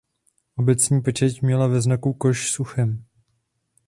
Obecní pečeť měla ve znaku koš s uchem.